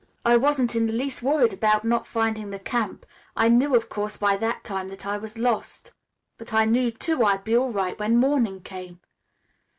I wasn't in the least worried about not finding the camp. I knew, of course, by that time that I was lost, but I knew, too, I'd be all right when morning came.